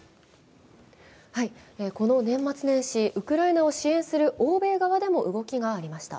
この年末年始、ウクライナを支援する欧米側でも動きがありました。